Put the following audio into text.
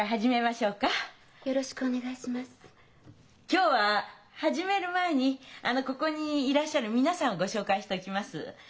今日は始める前にここにいらっしゃる皆さんをご紹介しておきます。